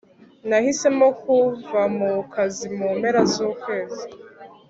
nahisemo kuva mu kazi mu mpera z'ukwezi